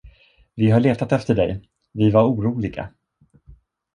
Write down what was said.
Vi har letat efter dig, vi var oroliga!